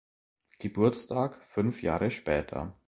Geburtstag fünf Jahre später.